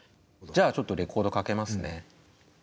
じゃあちょっとレコードかけますね。